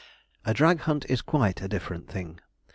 A drag hunt is quite a different thing.